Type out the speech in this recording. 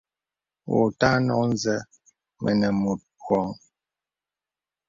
Wɔ ùtà nɔk nzə mənə mùt wɔŋ.